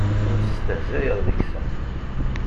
Ur stehzayeɣ deg-sen.